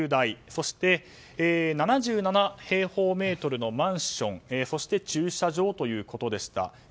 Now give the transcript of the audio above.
そして７７平方メートルのマンションそして、駐車場ということでした。